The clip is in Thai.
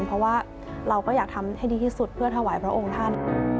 เพราะว่าเราก็อยากทำให้ดีที่สุดเพื่อถวายพระองค์ท่าน